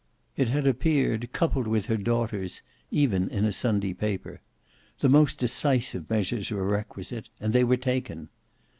It had appeared coupled with her daughters, even in a Sunday paper. The most decisive measures were requisite, and they were taken.